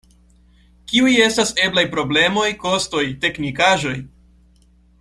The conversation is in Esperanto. Kiuj estas eblaj problemoj, kostoj, teknikaĵoj?